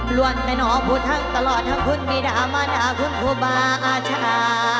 หลวนในหนอพูดทั้งตลอดทั้งคุณมิดามานาคุณภูบาอาชา